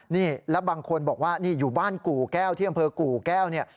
นี่แล้วบางคนบอกว่านี่อยู่บ้านกู่แก้วที่อำเภอกู่แก้วเนี่ย